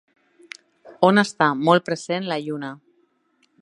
On està molt present la Lluna?